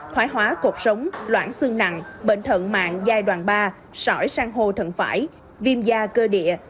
thoái hóa cột sống loãng xương nặng bệnh thận mạng giai đoạn ba sỏi sang hồ thận phải viêm da cơ địa